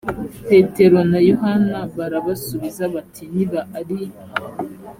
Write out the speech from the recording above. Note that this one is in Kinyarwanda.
petero na yohana barabasubiza bati niba ari